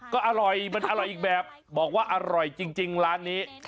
ก็อร่อยมันอร่อยอีกแบบบอกว่าอร่อยจริงร้านนี้